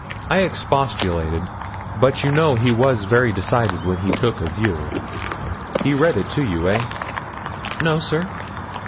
I expostulated, but you know he was very decided when he took a view. He read it to you, eh?' 'No, sir.'